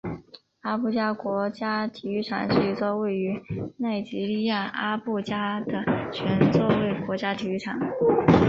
阿布加国家体育场是一座位于奈及利亚阿布加的全座位国家体育场。